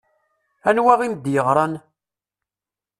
Anwa i m-d-yeɣṛan?